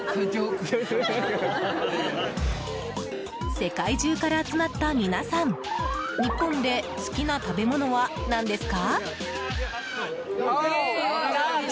世界中から集まった皆さん日本で好きな食べものは何ですか？